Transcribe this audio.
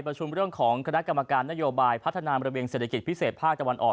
เรื่องของคณะกรรมการนโยบายพัฒนาระเบียงเศรษฐกิจพิเศษภาคตะวันออก